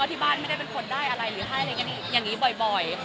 ที่บ้านไม่ได้คนให้อะไรบ่อย